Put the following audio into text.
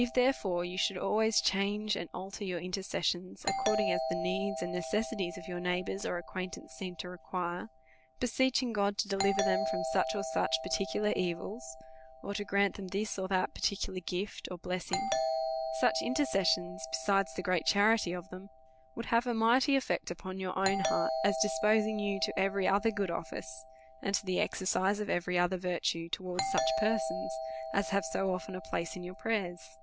If, there fore, you should always change and alter your inter cessions according as the needs and necessities of your neighbours or acquaintances seem to require ; be seeching God to deliver them from such and such par ticular evils, or to grant them this or that particular gift or blessing ; such intercessions, besides the great charity of them, would have a mighty eftect upon your heart, as disposing you to every other good office, and to the exercise of every other virtue towards such per sons, as have so often a place in your prayers.